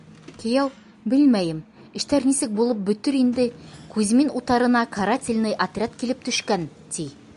— Кейәү, белмәйем, эштәр нисек булып бөтөр инде, Кузьмин утарына карательный отряд килеп төшкән, ти.